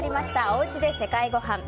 おうちで世界ごはん。